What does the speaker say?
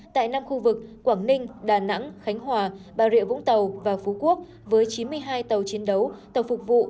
tại năm khu vực quảng ninh đà nẵng khánh hòa bà rịa vũng tàu và phú quốc với chín mươi hai tàu chiến đấu tàu phục vụ